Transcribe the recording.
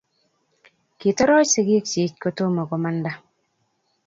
Kitoroch sigiikchik kotomo komanda